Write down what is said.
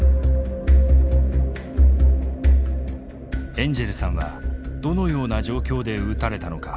エンジェルさんはどのような状況で撃たれたのか。